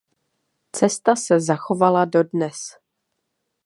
Cesta se zachovala dodnes.